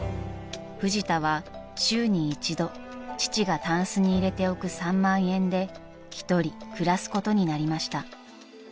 ［フジタは週に一度父がたんすに入れておく３万円で一人暮らすことになりました］